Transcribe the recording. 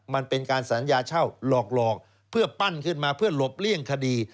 มันเป็นการสัญญาเช่าหลอกเพื่อปั้นขึ้นมาเพื่อหลบเลี่ยงคดี